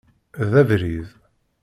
D abrid.